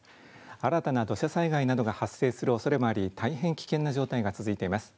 新たな土砂災害などが発生するおそれもあり大変危険な状態が続いています。